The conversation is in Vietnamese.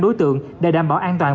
đối tượng để đảm bảo an toàn